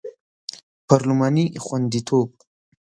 پارلماني خوندیتوب